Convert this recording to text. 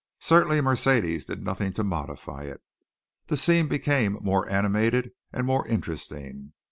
Certainly Mercedes did nothing to modify it. The scene became more animated and more interesting.